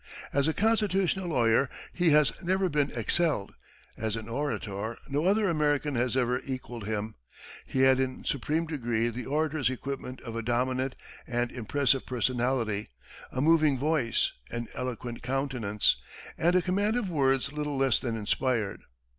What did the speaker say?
As a constitutional lawyer, he has never been excelled; as an orator, no other American has ever equalled him. He had in supreme degree the orator's equipment of a dominant and impressive personality, a moving voice, an eloquent countenance, and a command of words little less than inspired.